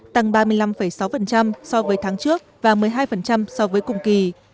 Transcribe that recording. tăng ba mươi năm sáu so với tháng trước và một mươi hai so với cùng kỳ